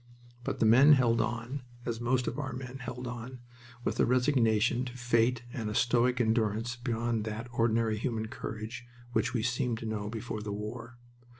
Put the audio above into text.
But the men held on, as most of our men held on, with a resignation to fate and a stoic endurance beyond that ordinary human courage which we seemed to know before the war.